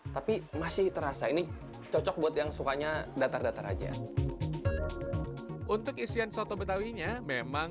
tapi masih terasa ini cocok buat yang sukanya datar datar aja untuk isian soto betawinya memang